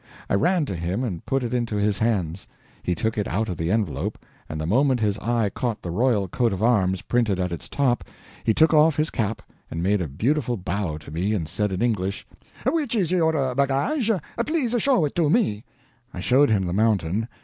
I ran to him and put it into his hands. He took it out of the envelope, and the moment his eye caught the royal coat of arms printed at its top, he took off his cap and made a beautiful bow to me, and said in English: "Which is your baggage? Please show it to me." I showed him the mountain.